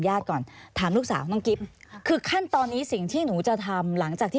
ก่อนถามลูกสาวน้องกิ๊บคือขั้นตอนนี้สิ่งที่หนูจะทำหลังจากที่